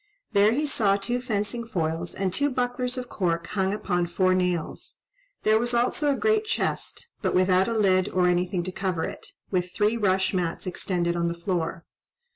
There he saw two fencing foils, and two bucklers of cork hung upon four nails; there was also a great chest, but without a lid or anything to cover it, with three rush mats extended on the floor.